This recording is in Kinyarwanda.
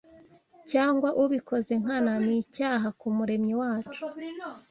cyangwa ubikoze nkana, ni icyaha ku Muremyi wacu.